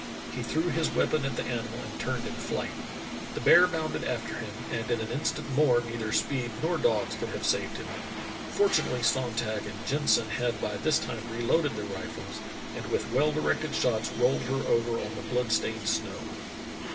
He threw his weapon at the animal and turned in flight. The bear bounded after him, and in an instant more neither speed nor dogs could have saved him. Fortunately Sonntag and Jen sen had by this time reloaded their rifles, and with well directed shots rolled her over on the blood stained snow."